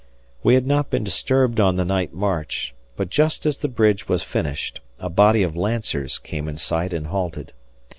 We had not been disturbed on the night march, but just as the bridge was finished a body of lancers came in sight and halted.